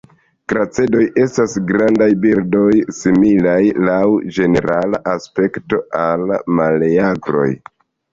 Kracedoj estas grandaj birdoj, similaj laŭ ĝenerala aspekto al meleagroj.